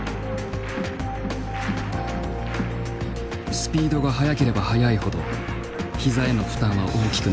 スピードが速ければ速いほどひざへの負担は大きくなる。